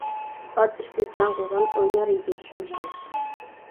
ئات ئۈستىدە جەڭ قىلغان، ئوينار ئىدى شەمشىرى.